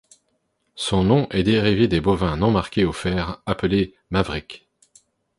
Son nom est dérivé des bovins non marqués au fer appelés Maverick.